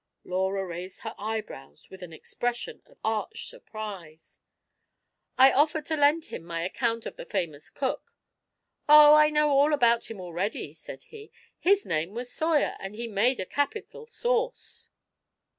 Laura raised her eyebrows with an expression of arch surprise. " I FIRST IMPRESSIONS. 21 offered to lend him my account of the famous Cook. 'Oh, I know all about him already/ said he; *liis name was Soyer, and he made a capital sauce